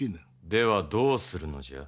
ではどうするのじゃ？